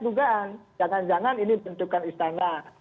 dugaan jangan jangan ini bentukan istana